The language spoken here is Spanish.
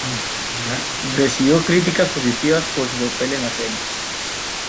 Recibió críticas positivas por su papel en la serie.